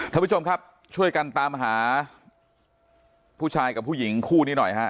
ท่านผู้ชมครับช่วยกันตามหาผู้ชายกับผู้หญิงคู่นี้หน่อยฮะ